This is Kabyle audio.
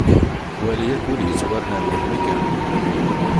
Wali akk wid yettwarnan melmi kan.